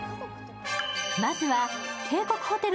まずは帝国ホテル